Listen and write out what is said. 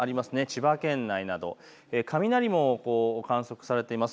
千葉県内など雷も観測されています。